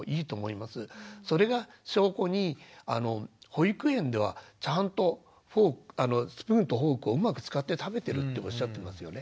それが証拠に保育園ではちゃんとスプーンとフォークをうまく使って食べてるっておっしゃってますよね。